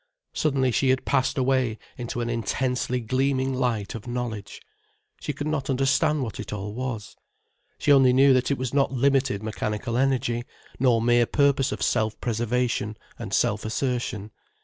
Suddenly she had passed away into an intensely gleaming light of knowledge. She could not understand what it all was. She only knew that it was not limited mechanical energy, nor mere purpose of self preservation and self assertion.